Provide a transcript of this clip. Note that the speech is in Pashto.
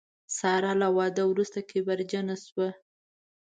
ساره له واده وروسته کبرجنه شوه.